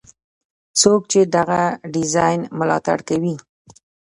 څوک چې دغه ډیزاین ملاتړ کوي.